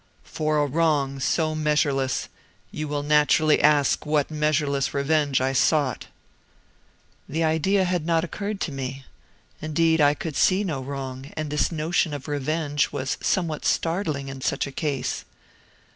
"For a wrong so measureless, you will naturally ask what measureless revenge I sought." The idea had not occurred to me; indeed I could see no wrong, and this notion of revenge was somewhat startling in such a case.